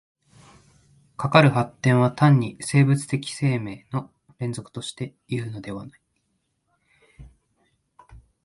かかる発展は単に生物的生命の連続としてというのではない。